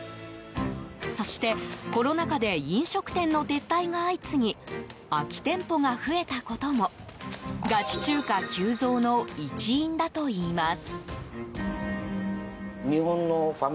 そして、コロナ禍で飲食店の撤退が相次ぎ空き店舗が増えたこともガチ中華急増の一因だといいます。